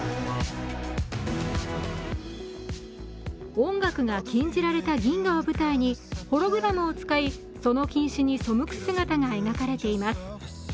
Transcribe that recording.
音楽が禁じられた銀河を舞台にホログラムを使い、その禁止に背く姿が描かれています。